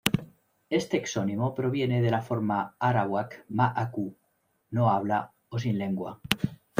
Este exónimo proviene de la forma arawak "ma-áku" 'no habla' o 'sin lengua'.